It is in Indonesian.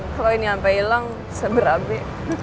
kalau ini sampai hilang bisa berambe